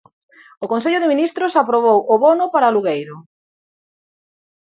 O Consello de Ministros aprobou o bono para alugueiro.